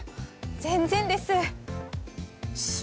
全然です！